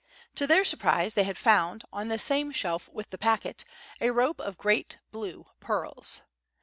To their surprise they had found, on the same shelf with the packet, a rope of great blue pearls.